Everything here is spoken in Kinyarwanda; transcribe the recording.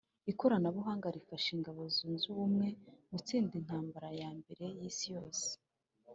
ikoranabuhanga rifasha ingabo zunze ubumwe gutsinda intambara ya mbere y'isi yose